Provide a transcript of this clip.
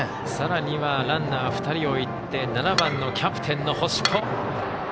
さらにランナー２人を置いて７番のキャプテンの星子。